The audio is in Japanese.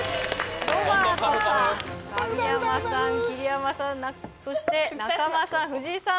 ロバートさん神山さん桐山さんそして中間さん藤井さん